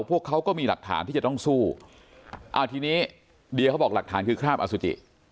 พวกเขาก็มีหลักฐานที่จะต้องสู้อ่าทีนี้เดียเขาบอกหลักฐานคือคราบอสุจิ